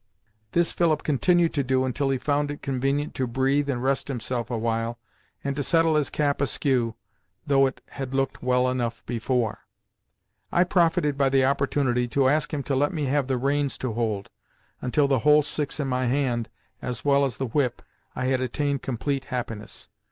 This Philip continued to do until he found it convenient to breathe and rest himself awhile and to settle his cap askew, though it had looked well enough before. I profited by the opportunity to ask him to let me have the reins to hold, until, the whole six in my hand, as well as the whip, I had attained complete happiness.